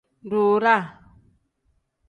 Duuraa.